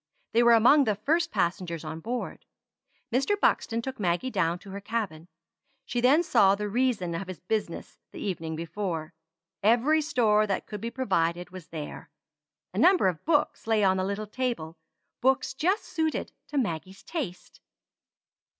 They were among the first passengers on board. Mr. Buxton took Maggie down to her cabin. She then saw the reason of his business the evening before. Every store that could be provided was there. A number of books lay on the little table books just suited to Maggie's taste.